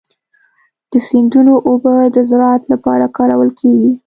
د سیندونو اوبه د زراعت لپاره کارول کېږي.